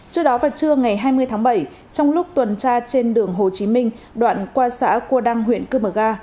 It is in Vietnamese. trước đó vào trưa ngày hai mươi tháng bảy trong lúc tuần tra trên đường hồ chí minh đoạn qua xã cua đăng huyện cư mờ ga